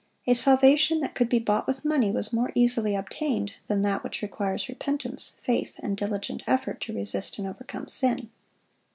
A salvation that could be bought with money was more easily obtained than that which requires repentance, faith, and diligent effort to resist and overcome sin.